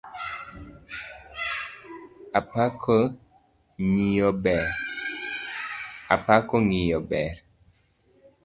Apako ng'iyo ber.